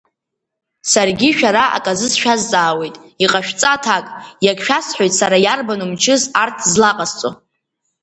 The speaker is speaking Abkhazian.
Саргьы шәара аказы сшәазҵаауеит, иҟашәҵа аҭак, иагьшәасҳәоит Сара иарбану мчыс арҭ злаҟасҵо.